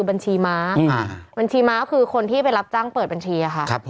บัญชีม้าคือคนที่ไปรับจ้างเปิดบัญชีอะค่ะ